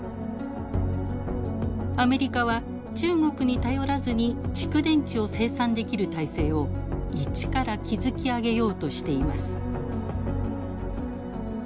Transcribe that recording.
アメリカは中国に頼らずに蓄電池を生産できる体制を一から築き上げようとしています。